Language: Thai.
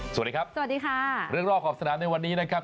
สวัสดีครับสวัสดีค่ะเรื่องรอบขอบสนามในวันนี้นะครับ